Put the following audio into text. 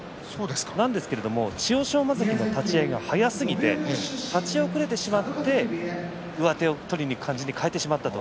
なんですけれども千代翔馬関の立ち合いが速すぎて立ち遅れてしまって上手を取りにいく感じにかえてしまったと。